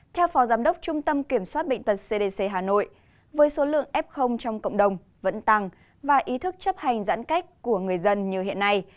theo phó giám đốc trung tâm kiểm soát bệnh tật cdc hà nội với số lượng f trong cộng đồng vẫn tăng và ý thức chấp hành giãn cách của người dân như hiện nay